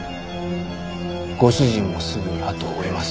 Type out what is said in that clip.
ご主人もすぐにあとを追います。